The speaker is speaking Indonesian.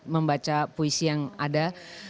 membaca puisi yang ada